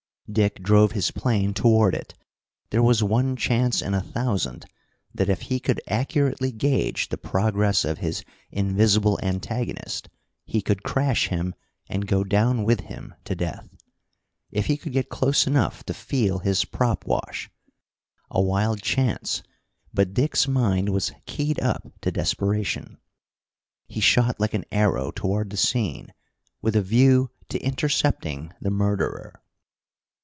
Dick drove his plane toward it. There was one chance in a thousand that, if he could accurately gauge the progress of his invisible antagonist, he could crash him and go down with him to death. If he could get close enough to feel his prop wash! A wild chance, but Dick's mind was keyed up to desperation. He shot like an arrow toward the scene, with a view to intercepting the murderer.